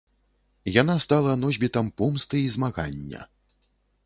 Яна стала носьбітам помсты і змагання.